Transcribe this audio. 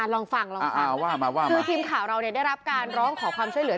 ลองฟังคลิปข่าวเราได้รับการร้องขอความช่วยเหลือ